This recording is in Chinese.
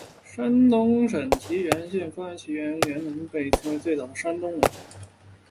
山东省沂源县发现的沂源猿人被认为是最早的山东人。